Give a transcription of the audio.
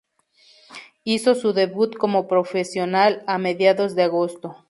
Hizo su debut como profesional a mediados de agosto.